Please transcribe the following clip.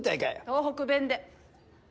東北弁で。